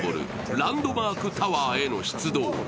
ランドマークタワーへの出動